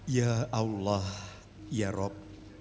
ya allah ya rab